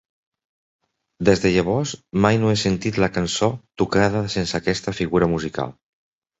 Des de llavors, mai no he sentit la cançó tocada sense aquesta figura musical.